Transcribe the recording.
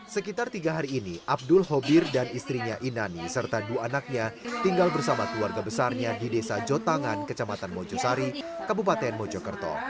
sekitar tiga hari ini abdul hobir dan istrinya inani serta dua anaknya tinggal bersama keluarga besarnya di desa jotangan kecamatan mojosari kabupaten mojokerto